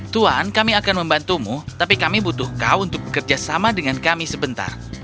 tuan kami akan membantumu tapi kami butuh kau untuk bekerja sama dengan kami sebentar